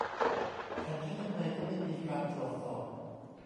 แถมใช้ยังไงก็ไม่มีการตรวจสอบ